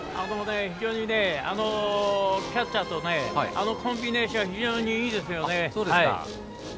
非常にキャッチャーとのコンビネーションがいいですね。